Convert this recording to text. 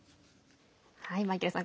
マイケルさん